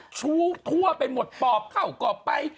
ชู้ทั่วไปหมดปอบเข้ากรอบไป